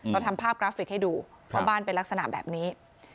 เราทำภาพกราฟิกให้ดูว่าบ้านเป็นลักษณะแบบนี้